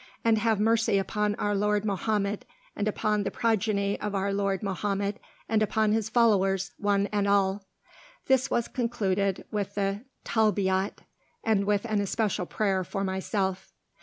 And have mercy upon our lord Mohammed, and upon the progeny of our lord Mohammed, and upon his followers, one and all!" This was concluded with the "Talbiyat," and with an especial prayer for myself.